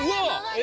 え！